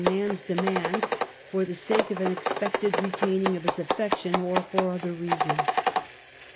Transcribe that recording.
to men's demands, for the sake of an expected re taining of his affection, or for other reasons.